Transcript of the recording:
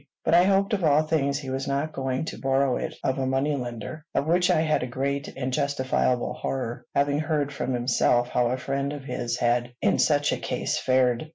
But I hoped of all things he was not going to borrow it of a money lender, of which I had a great and justifiable horror, having heard from himself how a friend of his had in such a case fared.